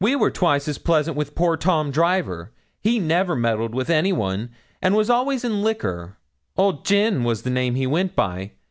We were twice as pleasant with poor Tom Driver he never meddled with any one, and was always in liquor; Old Gin was the name he went by.